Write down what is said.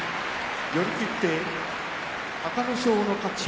寄り切って隆の勝の勝ち。